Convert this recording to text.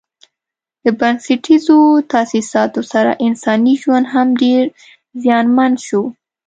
د بنسټیزو تاسیساتو سره انساني ژوند هم ډېر زیانمن شو.